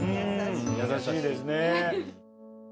優しいですね。